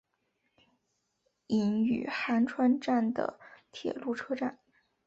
伊予寒川站的铁路车站。